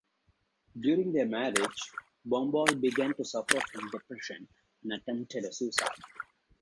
During their marriage, Bombal began to suffer from depression, and attempted a suicide.